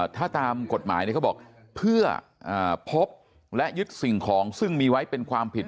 ถ้าตามกฎหมายเขาบอกเพื่อพบและยึดสิ่งของซึ่งมีไว้เป็นความผิด